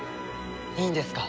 いいんですか？